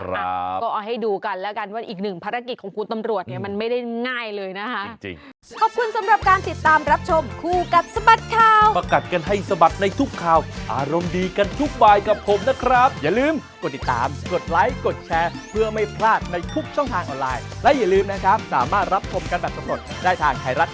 ก็เอาให้ดูกันแล้วกันว่าอีกหนึ่งภารกิจของคุณตำรวจเนี่ยมันไม่ได้ง่ายเลยนะคะ